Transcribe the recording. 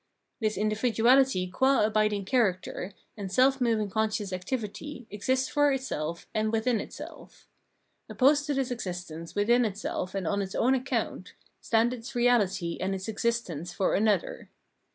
This individuahty qua abiding character, and self moving conscious activity exists for itself and within itself. Opposed to this existence within itself and on its own account, stand its reality and its existence for Phrenology 321 another.